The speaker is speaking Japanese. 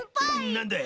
なんだい？